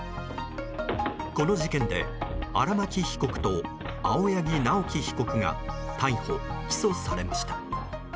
この事件で荒巻被告と青柳直樹被告が逮捕・起訴されました。